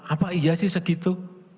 apa iya sih segitu